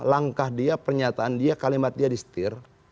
langkah dia pernyataan dia kalimat dia di setir